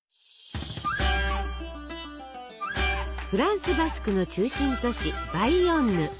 フランス・バスクの中心都市バイヨンヌ。